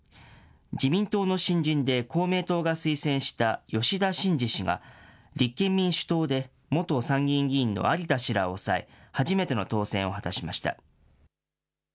自民党の新人で公明党が推薦した吉田真次氏が、立憲民主党で元参議院議員の有田氏らを抑え、万歳。